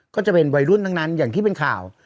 ก็จะเป็นวัยรุ่นทั้งนั้นอย่างที่เป็นข่าว